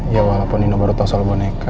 ya walaupun nino baru tau soal boneka